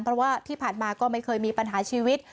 เพราะว่าที่ผ่านมาก็ไม่เคยมีปัญหาชีวิต